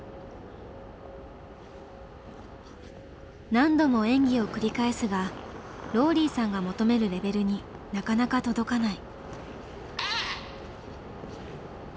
何度も演技を繰り返すがローリーさんが求めるレベルになかなか届かない。